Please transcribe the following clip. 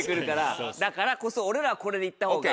だからこそ俺らこれでいった方が。